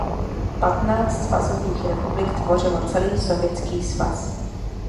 Patnáct svazových republik tvořilo celý Sovětský svaz.